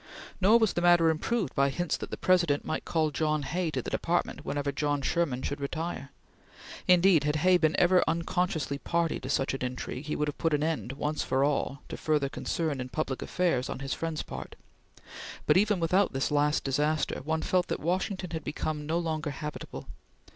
Nor was the matter improved by hints that the President might call John Hay to the Department whenever John Sherman should retire. Indeed, had Hay been even unconsciously party to such an intrigue, he would have put an end, once for all, to further concern in public affairs on his friend's part; but even without this last disaster, one felt that Washington had become no longer habitable.